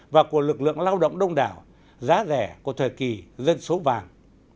và của lực lượng lao động đông đảo giá rẻ của thời kỳ dân số vàng